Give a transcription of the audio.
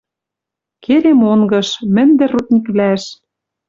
Керем онгыш, мӹндӹр рудниквлӓш.